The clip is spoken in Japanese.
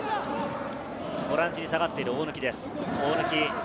ボランチに下がっている大貫です。